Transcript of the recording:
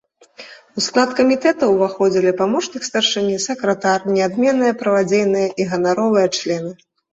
У склад камітэта ўваходзілі памочнік старшыні, сакратар, неадменныя, правадзейныя і ганаровыя члены.